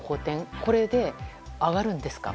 これで上がるんですか？